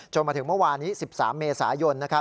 มาถึงเมื่อวานี้๑๓เมษายน